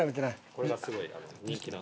これがすごい人気な。